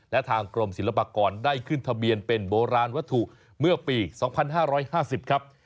และทางกรมศิลปากรได้ขึ้นทะเบียนเป็นโบราณวัตถุเมื่อปี๒๕๕๐ครับ